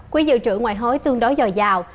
quỹ dự trữ ngoại hối tương đối dòi dào